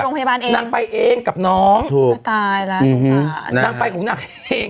โรงพยาบาลเองนางไปเองกับน้องถูกก็ตายแล้วสงขานางไปของนางเอง